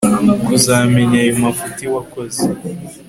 kuzamenya ayo mafuti wakoze